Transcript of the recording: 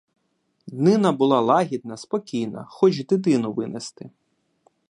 Днина була лагідна, спокійна, хоч дитину винести.